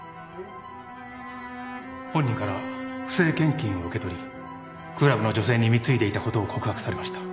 本人から不正献金を受け取りクラブの女性に貢いでいたことを告白されました。